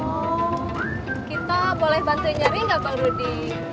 oh kita boleh bantuin nyari enggak bang rudi